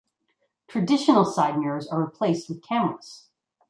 Traditional side mirrors are replaced with cameras.